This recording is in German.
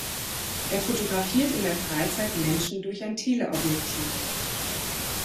Er fotografiert in der Freizeit Menschen durch ein Teleobjektiv.